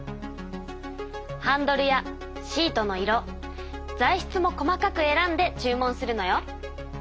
ハンドルやシートの色材しつも細かく選んで注文するのよ。